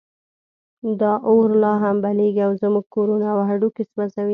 دا اور لا هم بلېږي او زموږ کورونه او هډوکي سوځوي.